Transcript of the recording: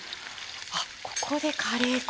あっここでカレー粉！